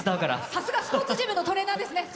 さすが、スポーツジムのトレーナーですね。